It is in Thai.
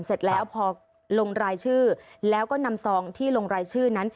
เสร็จแล้วพอลงรายชื่อแล้วก็นำซองที่ลงรายชื่อนั้น